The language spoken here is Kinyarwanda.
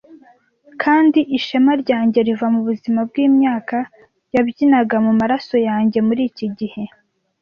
Kandi ishema ryanjye riva mubuzima bwimyaka yabyinaga mumaraso yanjye muriki gihe